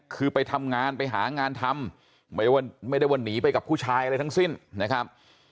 คือไปทำงานไปหางานทำไม่ได้ว่าหนีไปกับผู้ชายอะไรทั้งสิ้นนะครับ